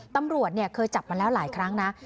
ตำรวจเคยจับมาแล้วหลายครั้งนะ